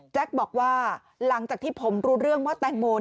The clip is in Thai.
บอกว่าหลังจากที่ผมรู้เรื่องว่าแตงโม